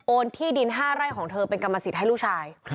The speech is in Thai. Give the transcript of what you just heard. โอนที่ดินห้าไร่ของเธอเป็นกรรมสศิษฐ์ให้ลูกชาย